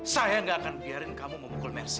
saya gak akan biarin kamu memukul mersi